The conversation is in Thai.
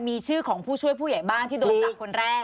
มีชื่อของผู้ช่วยผู้ใหญ่บ้านที่โดนจับคนแรก